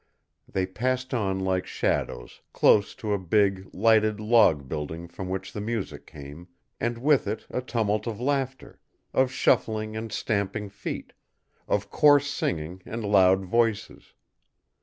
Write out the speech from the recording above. They passed on like shadows, close to a big, lighted log building from which the music came, and with it a tumult of laughter, of shuffling and stamping feet, of coarse singing and loud voices.